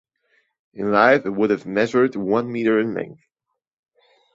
In life it would have measured one meter in length.